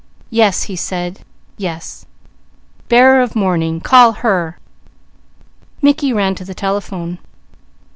"Yes," he said. "Yes! 'Bearer of Morning,' call her!" Mickey ran to the telephone.